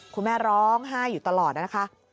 คุณแม่ร้องไห้อยู่ตลอดนะคะ